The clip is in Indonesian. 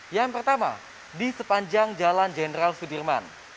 yang pertama di sepanjang jalan jenderal sudirman